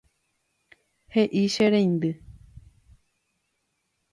He'i che reindy.